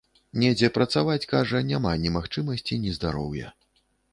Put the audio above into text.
Недзе працаваць, кажа, няма ні магчымасці, ні здароўя.